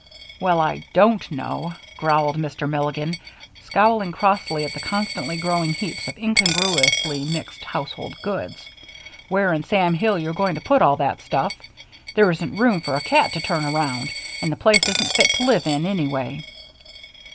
"Well, I don't know," growled Mr. Milligan, scowling crossly at the constantly growing heaps of incongruously mixed household goods, "where in Sam Hill you're going to put all that stuff. There isn't room for a cat to turn around, and the place ain't fit to live in, anyway."